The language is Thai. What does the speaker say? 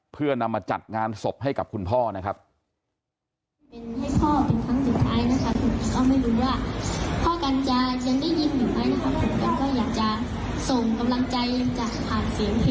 เพื่อนำมาจัดงานศพให้กับคุณพ่อนะครับ